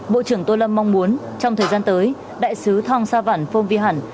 bộ trưởng tô lâm mong muốn trong thời gian tới đại sứ thong sa văn phong vi hẳn